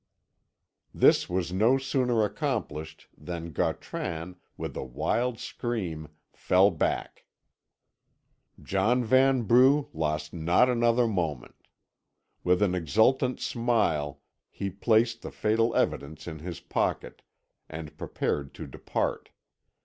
This was no sooner accomplished than Gautran, with a wild scream, fell back. John Vanbrugh lost not another moment. With an exultant smile he placed the fatal evidence in his pocket, and prepared to depart.